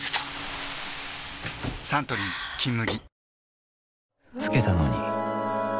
サントリー「金麦」